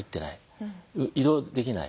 移動できない。